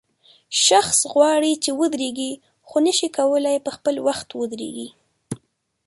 شخص غواړي چې ودرېږي خو نشي کولای په خپل وخت ودرېږي.